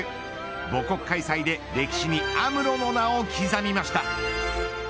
母国開催で歴史に有夢路の名を刻みました。